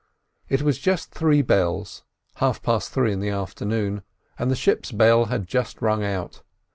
It was three bells—half past three in the afternoon—and the ship's bell had just rung out.